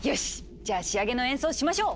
じゃあ仕上げの演奏しましょう！